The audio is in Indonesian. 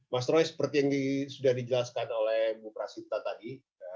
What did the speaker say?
mas roy seperti yang sudah dijelaskan oleh bu prasinta tadi